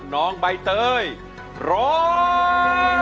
น้องใบเตยร้อง